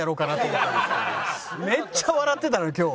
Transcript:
めっちゃ笑ってたのよ今日。